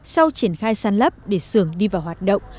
sau triển khai sàn lấp để sưởng đi vào hoạt động